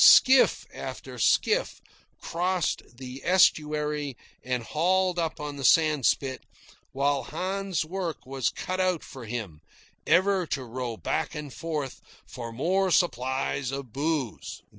Skiff after skiff crossed the estuary and hauled up on the sandspit, while Hans' work was cut out for him ever to row back and forth for more supplies of booze.